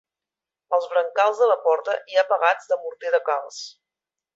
Als brancals de la porta hi ha pegats de morter de calç.